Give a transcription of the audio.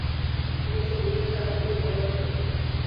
অবশ্য লিনেকার এমনটা বলারই কথা।